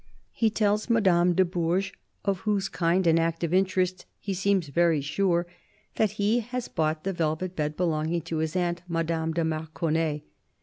He tells Madame de Bourges, of whose kind and active interest he seems very sure, that he has bought the velvet bed belonging to his aunt, Madame de Marconnay.